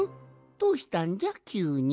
どうしたんじゃきゅうに。